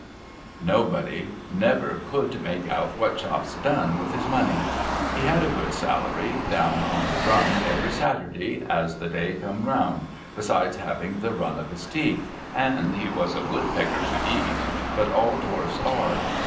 Nobody never could make out what Chops done with his money. He had a good salary, down on tlie drum every Saturday as the day come round, besides having the run of his teeth — and he was a Woodpecker to eat — but all Dwarfs are.